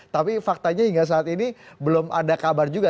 tapi faktanya hingga saat ini belum ada kabar juga